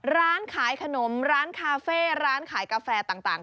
ร้านขายขนมร้านคาเฟ่ร้านขายกาแฟต่าง